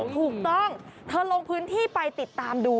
ถูกต้องเธอลงพื้นที่ไปติดตามดู